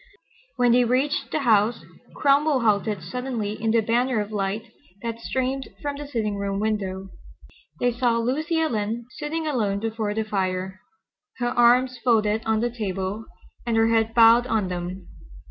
When they reached the house Cromwell halted suddenly in the banner of light that streamed from the sitting room window. They saw Lucy Ellen sitting alone before the fire, her arms folded on the table, and her head bowed on them.